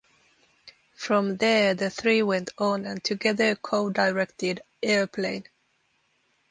From there the three went on and together co-directed Airplane!